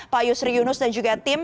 pak yusri yunus dan juga tim